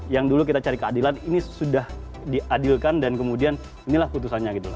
yang dulu kita cari keadilan ini sudah diadilkan dan kemudian inilah putusannya gitu